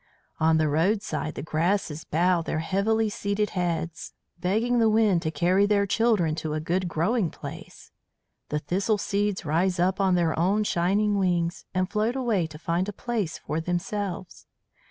"On the roadside the grasses bow their heavily seeded heads, begging the wind to carry their children to a good growing place; the thistle seeds rise up on their own shining wings, and float away to find a place for themselves.